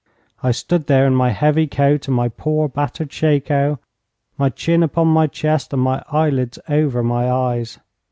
I stood there in my heavy coat and my poor battered shako, my chin upon my chest, and my eyelids over my eyes.